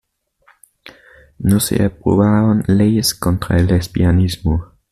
No se aprobaron leyes contra el lesbianismo.